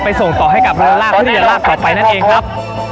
ไปส่งต่อให้กับราวราคที่จะราคต่อไปนั่นเองครับ